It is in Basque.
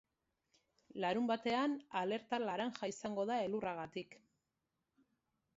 Larunbatean, alerta laranja izango da elurragatik.